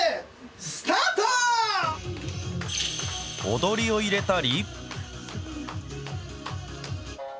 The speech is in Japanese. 踊りを入れたり。